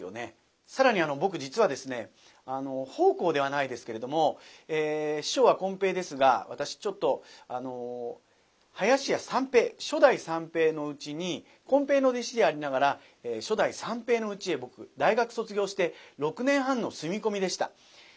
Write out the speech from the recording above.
更に僕実はですね奉公ではないですけれども師匠はこん平ですが私ちょっと林家三平初代三平のうちにこん平の弟子でありながら初代三平のうちへ僕大学卒業して６年半の住み込みでした。